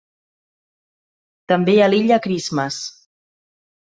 També a l'Illa Christmas.